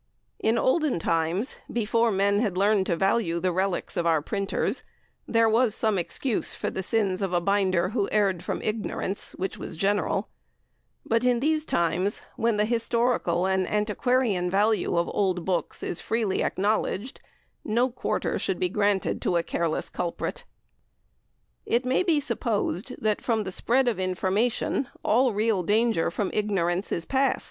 In olden times, before men had learned to value the relics of our printers, there was some excuse for the sins of a binder who erred from ignorance which was general; but in these times, when the historical and antiquarian value of old books is freely acknowledged, no quarter should be granted to a careless culprit. It may be supposed that, from the spread of information, all real danger from ignorance is past.